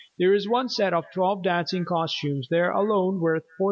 There is one set of twelve dancing costumes there alone worth $4800.